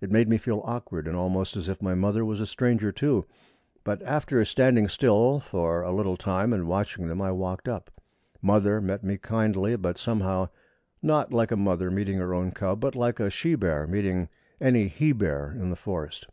It made me feel awkward, and almost as if my mother was a stranger, too; but after standing still a little time and watching them I walked up. Mother met me kindly, but, somehow, not like a mother meeting her own cub, but like a she bear meeting any he bear in the forest.